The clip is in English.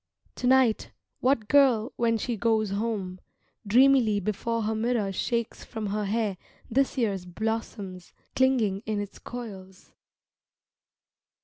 To night what girl When she goes home, Dreamily before her mirror shakes from her hair This year's blossoms, clinging in its coils